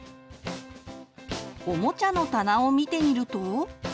おもちゃの棚を見てみると。